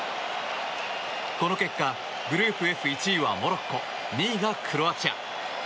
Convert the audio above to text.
この結果グループＦ１位はモロッコ２位がクロアチア。